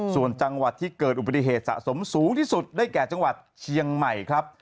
ส่วนจังหวัดที่เกิดอุบัติเหตุสะสมสูงที่สุดได้แก่จังหวัดเชียงใหม่ครับ